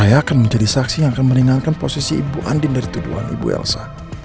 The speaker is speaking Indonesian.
dan saya akan menjadi saksi yang akan meringankan posisi ibu andin dari tubuhan ibu elsa